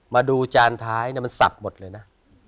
มาดูจานท้ายมันสับหมดเลยนะ